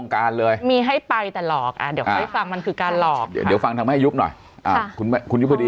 กลุ่มไลน์เดียวกันเลยมั้ย